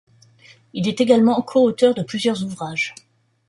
Il est également coauteur de plusieurs ouvrages.